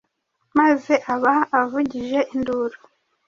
maze aba avugije induru,